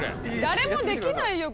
誰もできないよ